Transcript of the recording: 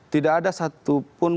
tidak ada satu pun